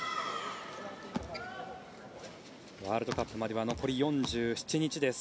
ワールドカップまでは残り４７日です。